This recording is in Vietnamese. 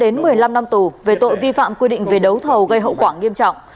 một mươi bốn một mươi năm năm tù về tội vi phạm quy định về đấu thầu gây hậu quả nghiêm trọng